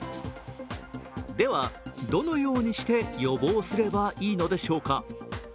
では、どのようにして予防すればいいのでしょうか。